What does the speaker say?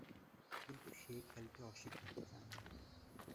কিন্তু সে খেলতে অস্বীকৃতি জানায়।